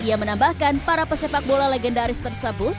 ia menambahkan para pesepak bola legendaris tersebut